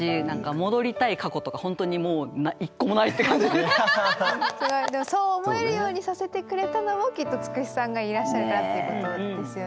なんか自分でもそう思えるようにさせてくれたのもきっとつくしさんがいらっしゃるからっていうことですよね。